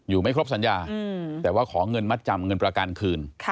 ไม่ครบสัญญาแต่ว่าขอเงินมัดจำเงินประกันคืน